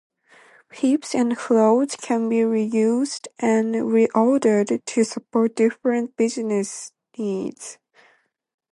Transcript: Pipes and flows can be reused and reordered to support different business needs.